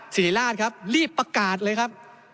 ศิริราชครับรีบประกาศเลยครับ